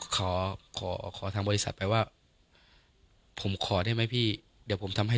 ขอขอทางบริษัทไปว่าผมขอได้ไหมพี่เดี๋ยวผมทำให้